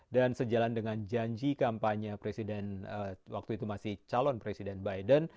dan sejalan dengan janji kampanye presiden waktu itu masih calon presiden biden